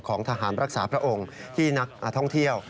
ของทหารรักษาพระองค์ที่นักท่องเที่ยว